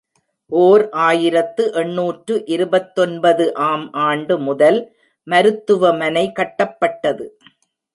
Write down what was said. ஓர் ஆயிரத்து எண்ணூற்று இருபத்தொன்பது ஆம் ஆண்டு முதல் மருத்துவமனை கட்டப்பட்டது.